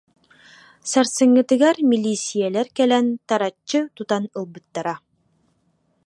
Сар- сыҥҥытыгар милииссийэлэр кэлэн тараччы тутан ылбыттара